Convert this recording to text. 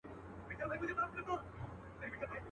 اشنا پوښتني ته مي راسه.